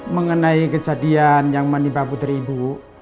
mengenai kejadian yang menimpa putri ibu